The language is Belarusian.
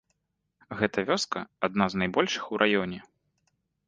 Гэта вёска адна з найбольшых у раёне.